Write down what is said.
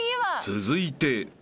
［続いて］